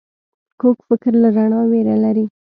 کوږ فکر له رڼا ویره لري